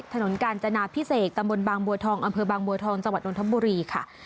ถนนกาญจนาพิเศษตำบลบางบัวทองอำเภอบางบัวทองจังหวัดนทบุรีค่ะ